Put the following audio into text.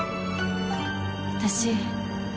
私